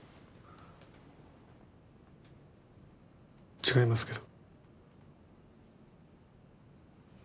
違いますけど。